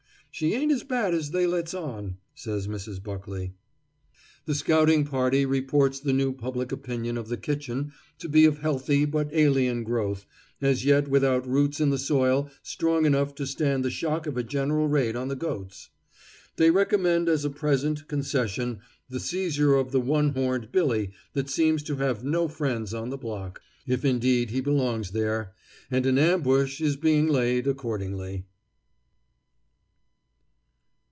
"She ain't as bad as they lets on," says Mrs. Buckley. The scouting party reports the new public opinion of the Kitchen to be of healthy but alien growth, as yet without roots in the soil strong enough to stand the shock of a general raid on the goats. They recommend as a present concession the seizure of the one horned Billy that seems to have no friends on the block, if indeed he belongs there, and an ambush is being laid accordingly.